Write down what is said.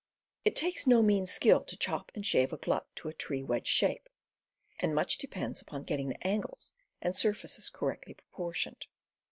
It takes no mean skill to chop and shave a glut to a true wedge shape, and much depends upon getting the angles and surfaces correctly proportioned.